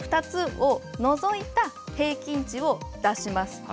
２つをのぞいた平均値を出します。